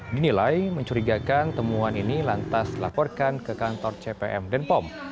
dinilai mencurigakan temuan ini lantas dilaporkan ke kantor cpm denpom